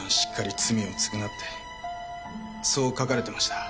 そう書かれてました。